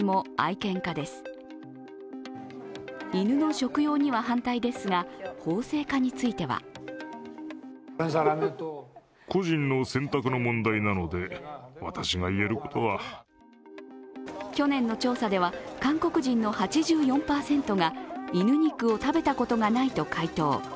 犬の食用には反対ですが法制化については去年の調査では韓国人の８４％が犬肉を食べたことがないと回答。